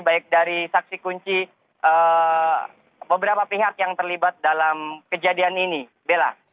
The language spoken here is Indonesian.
baik dari saksi kunci beberapa pihak yang terlibat dalam kejadian ini bella